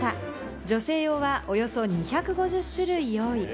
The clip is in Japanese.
女性用はおよそ２５０種類用意。